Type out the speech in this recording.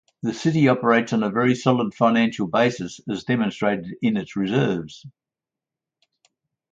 The City operates on a very solid financial basis as demonstrated in its reserves.